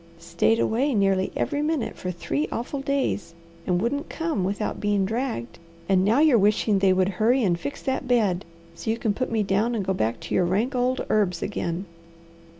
"Stayed away nearly every minute for three awful days, and wouldn't come without being dragged; and now you're wishing they would hurry and fix that bed, so you can put me down and go back to your rank old herbs again."